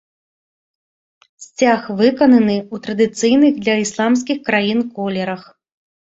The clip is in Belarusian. Сцяг выкананы ў традыцыйных для ісламскіх краін колерах.